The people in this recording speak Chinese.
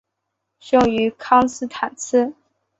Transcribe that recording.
生于康斯坦茨。